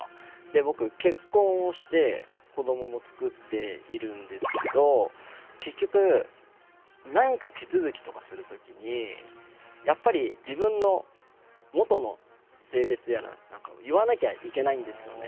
僕結婚をして子どももつくっているんですけど結局何か手続きとかする時にやっぱり自分の元の性別やら何かを言わなきゃいけないんですよね。